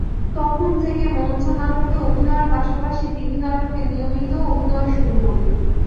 তখন থেকে মঞ্চনাটকে অভিনয়ের পাশাপাশি টিভি নাটকে নিয়মিত অভিনয় শুরু করি।